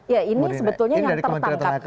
ya ini sebetulnya yang tertangkap